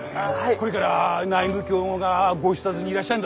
これから内務がご視察にいらっしゃるんだど。